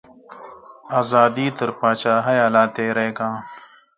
ازادي تر پاچاهیه لا تیری کا.